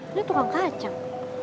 ini tukang kacang